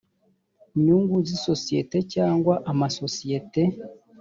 nyungu z isosiyete cyangwa amasosiyete